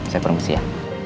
saya permisi ya